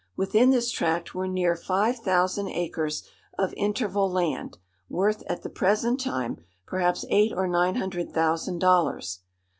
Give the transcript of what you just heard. Within this tract were near five thousand acres of interval land, worth at the present time perhaps eight or nine hundred thousand dollars.